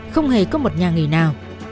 không hề có một nhà nghỉ nào